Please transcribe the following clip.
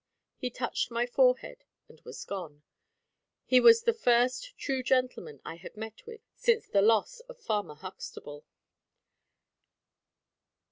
He touched my forehead and was gone. He was the first true gentleman I had met with, since the loss of Farmer Huxtable.